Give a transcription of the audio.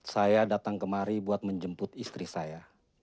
saya datang kemari buat menjemput istri saya